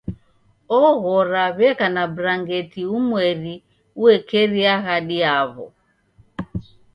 Oghora w'eka na brangeti umweri uekeri aghadi yaw'o